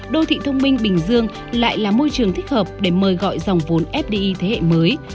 đô thị thông minh bình dương lại là môi trường thích hợp để mời gọi dòng vốn fdi thế hệ mới